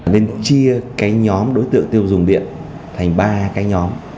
nên chia cái nhóm đối tượng tiêu dùng điện thành ba cái nhóm